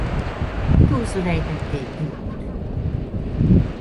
Túszul ejtették Dookut!